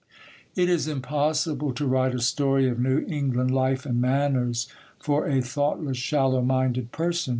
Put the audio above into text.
It is impossible to write a story of New England life and manners for a thoughtless, shallow minded person.